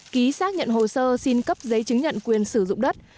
ký xác nhận hồ sơ xin cấp giấy chứng nhận quyền sử dụng đất